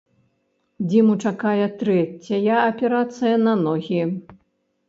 Дзіму чакае трэцяя аперацыя на ногі.